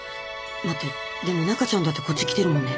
待ってでも中ちゃんだってこっち来てるもんね。